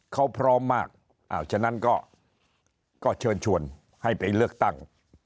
เขาพร้อมมากฉะนั้นก็เชิญชวนให้ไปเลือกตั้ง